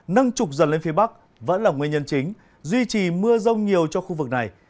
nâng trục dần lên phía bắc vẫn là nguyên nhân chính duy trì mưa rông nhiều cho khu vực này